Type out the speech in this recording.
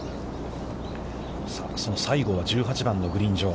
さあ、その西郷は１８番のグリーン上。